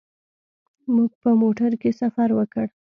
موږ په موټر کې سفر وکړ.